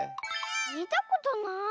みたことない。